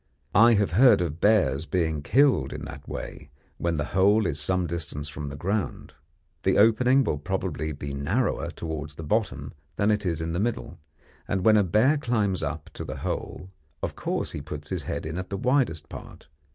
I have heard of bears being killed in that way, when the hole is some distance from the ground. The opening will probably be narrower towards the bottom than it is in the middle, and when a bear climbs up to the hole, of course he puts his head in at the widest part.